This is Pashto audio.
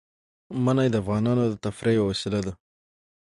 منی د افغانانو د تفریح یوه وسیله ده.